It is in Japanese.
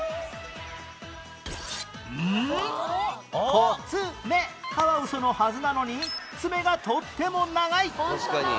「コツメカワウソ」のはずなのに爪がとっても長い！